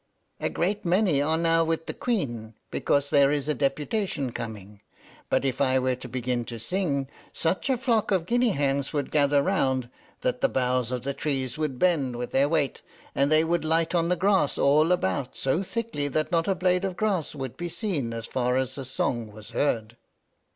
] "A great many are now with the Queen, because there is a deputation coming; but if I were to begin to sing, such a flock of Guinea hens would gather round, that the boughs of the trees would bend with their weight, and they would light on the grass all about so thickly that not a blade of grass would be seen as far as the song was heard."